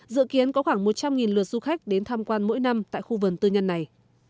dự kiến có khoảng một trăm linh lượt du khách đến tham quan mỗi năm tại khu vườn tư nhân này